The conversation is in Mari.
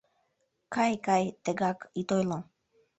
Кай, кай, тегак ит ойло...